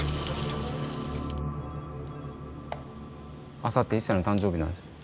あさって１歳の誕生日なんですよ。